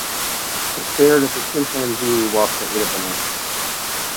I stared at the chimpanzee whilst they ate a banana.